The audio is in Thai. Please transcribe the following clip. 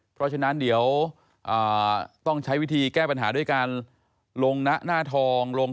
เพราะฉะนั้นเดี๋ยวต้องใช้วิธีแก้ปัญหาด้วยการลงหน้าทองลง